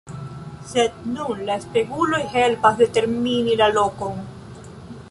Sed nun la speguloj helpas determini la lokon.